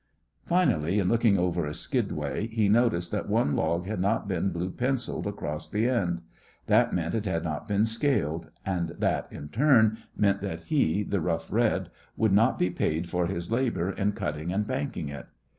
Finally in looking over a skidway he noticed that one log had not been blue pencilled across the end. That meant that it had not been scaled; and that in turn meant that he, the Rough Red, would not be paid for his labour in cutting and banking it.